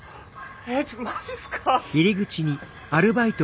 えちょっとマジすか！？